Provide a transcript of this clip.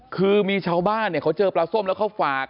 คือมีชาวบ้านเนี่ยเขาเจอปลาส้มแล้วเขาฝาก